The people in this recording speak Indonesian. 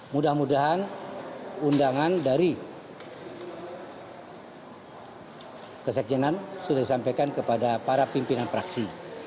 mudah mudahan undangan dari kesekjenan sudah disampaikan kepada para pimpinan praksi